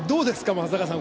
松坂さん